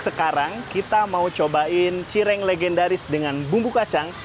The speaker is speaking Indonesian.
sekarang kita mau cobain cireng legendaris dengan bumbu kacang